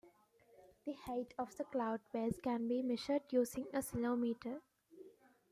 The height of the cloud base can be measured using a ceilometer.